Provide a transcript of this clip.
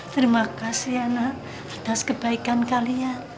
terima kasih anak atas kebaikan kalian